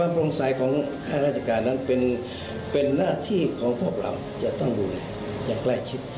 พรมสายของข้าราชการมันเป็นเป็นน่าที่ของพวกเราจะต้องอยู่ในอย่างคล้ายชิบ